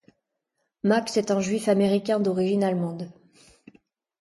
Max est un juif américain d'origine allemande.